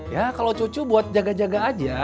ya kalau cucu buat jaga jaga aja